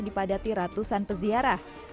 dipadati ratusan peziarah